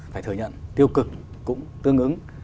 phải thừa nhận tiêu cực cũng tương ứng